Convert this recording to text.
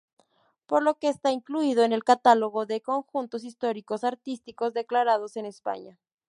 Por lo que está incluido en el Catálogo de Conjuntos Histórico-Artísticos declarados en España.